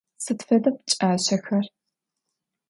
Sıd feda pç'aşsexer?